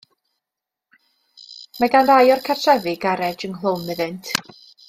Mae gan rai o'r cartrefi garej ynghlwm iddynt.